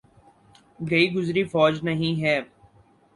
گئی گزری فوج نہیں ہے۔